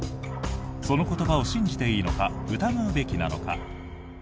その言葉を信じていいのか疑うべきなのか。